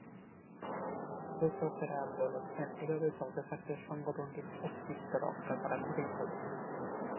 সমালোচকেরা বলছেন, এভাবে চলতে থাকলে সংগঠনটির অস্তিত্ব রক্ষা করা কঠিন হয়ে যাবে।